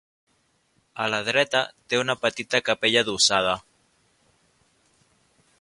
A la dreta té una petita capella adossada.